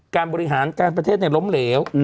การบริหารการประเทศล้มเหลว